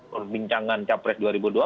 perbincangan capres dua ribu dua puluh